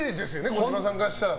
児嶋さんからしたら。